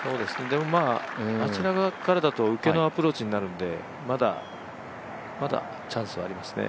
あちら側からだと受けのアプローチになるので、まだチャンスはありますね。